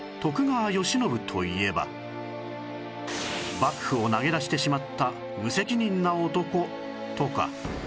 幕府を投げ出してしまった無責任な男とか